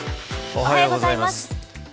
おはようございます。